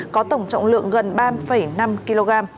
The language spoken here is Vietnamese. có tổng trọng lượng gần ba năm kg